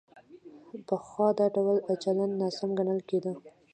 پخوا دا ډول چلند ناسم ګڼل کېده.